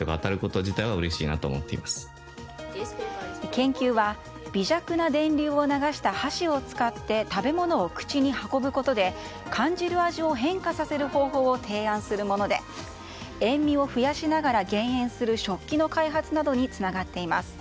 研究は微弱な電流を流した箸を使って食べ物を口に運ぶことで感じる味を変化させる方法を提案するもので塩味を増やしながら減塩する食器の開発などにつながっています。